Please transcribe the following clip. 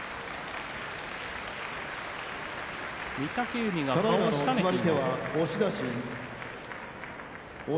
御嶽海が顔をしかめています。